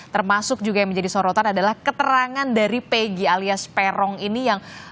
termasuk juga yang menjadi sorotan adalah keterangan dari pegi alias peron ini yang